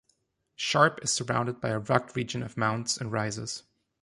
Sharp is surrounded by a rugged region of mounts and rises.